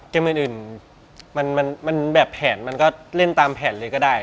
เกมอื่นมันแบบแผนมันก็เล่นตามแผนเลยก็ได้